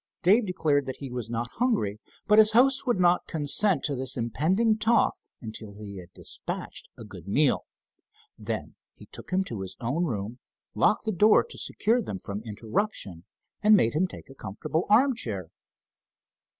Dave declared that he was not hungry, but his host would not consent to this impending talk until he had dispatched a good meal. Then he took him to his own room, locked the door to secure them from interruption, and made him take a comfortable armchair.